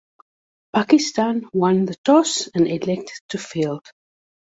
Pakistan won the toss and elected to field.